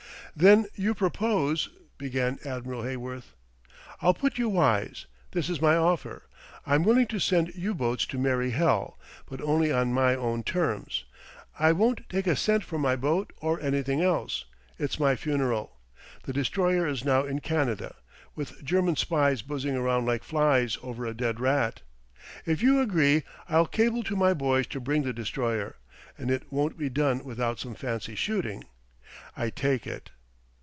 "Then you propose " began Admiral Heyworth. "I'll put you wise. This is my offer. I'm willing to send U boats to merry hell; but only on my own terms. I won't take a cent for my boat or anything else. It's my funeral. The Destroyer is now in Canada, with German spies buzzing around like flies over a dead rat. If you agree, I'll cable to my boys to bring the Destroyer, and it won't be done without some fancy shooting, I take it!